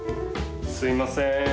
すいませーん。